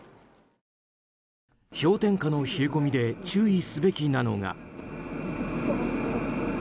氷点下の冷え込みで注意すべきなのが。